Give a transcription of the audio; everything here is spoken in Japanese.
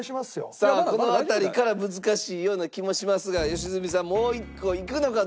さあこの辺りから難しいような気もしますが良純さんもう一個いくのかどうか。